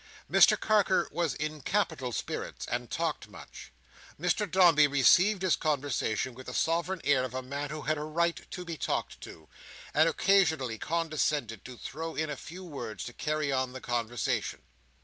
Mr Carker was in capital spirits, and talked much. Mr Dombey received his conversation with the sovereign air of a man who had a right to be talked to, and occasionally condescended to throw in a few words to carry on the conversation.